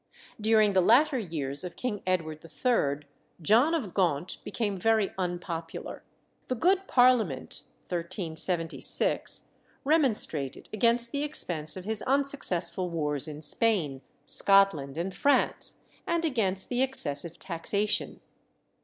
During the latter years of King Edward III., John of Gaunt became very unpopular. "The good Parliament" (1376) remonstrated against the expense of his unsuccessful wars in Spain, Scotland, and France, and against the excessive taxation.